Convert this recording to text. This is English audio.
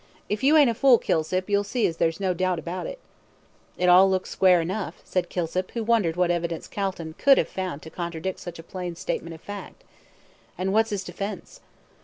If you ain't a fool, Kilsip, you'll see as there's no doubt about it." "It looks all square enough," said Kilsip, who wondered what evidence Calton could have found to contradict such a plain statement of fact. "And what's his defence?"